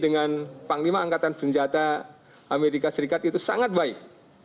dengan panglima angkatan senjata amerika serikat itu sangat baik